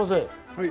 はい。